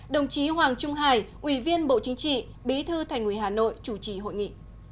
đồng chí hoàng trung hải ủy viên bộ chính trị bí thư thành ủy hà nội chủ trì hội nghị